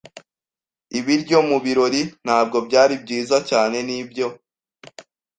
Ibiryo mu birori ntabwo byari byiza cyane, nibyo?